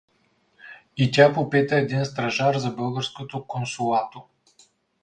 — И тя попита един стражар за българското консулато.